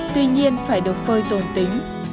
tuy nhiên phải được phơi tổn tính